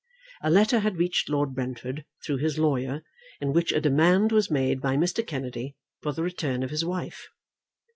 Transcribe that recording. A letter had reached Lord Brentford, through his lawyer, in which a demand was made by Mr. Kennedy for the return of his wife.